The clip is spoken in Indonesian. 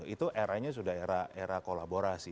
itu eranya sudah era era kolaborasi